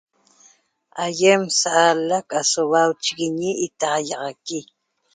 Aiem sa'alac aso hua'auchiguiñi itaxaiaxaqui